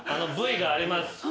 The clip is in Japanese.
Ｖがあります。